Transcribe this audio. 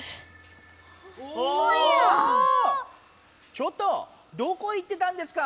ちょっとどこ行ってたんですか？